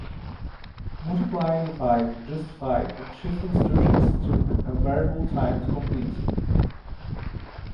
Multiply, divide, justify and shift instructions took a variable time to complete.